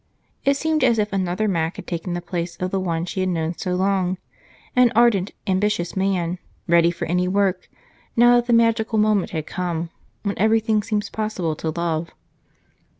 It seemed as if another Mac had taken the place of the one she had known so long an ardent, ambitious man, ready for any work now that the magical moment had come when everything seems possible to love.